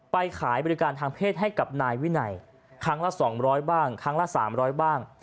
ไปขายบริการทางเพศให้กับนายวินัยครั้งละ๒๐๐บ้างครั้งละ๓๐๐บ้าง